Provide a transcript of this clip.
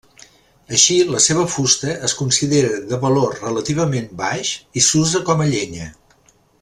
Així, la seva fusta es considera de valor relativament baix i s'usa com a llenya.